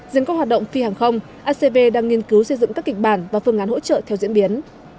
diện các hoạt động phi hàng không acv đang nghiên cứu xây dựng các kịch bản và phương án hỗ trợ theo diễn biến